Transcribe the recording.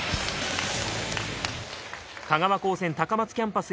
香川高専高松キャンパス